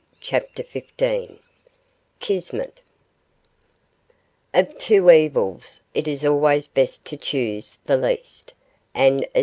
CHAPTER XV KISMET Of two evils it is always best to choose the least, and as M.